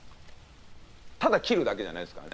ただ切るだけじゃないですからね。